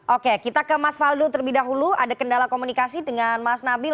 oke kita ke mas faldo terlebih dahulu ada kendala komunikasi dengan mas nabil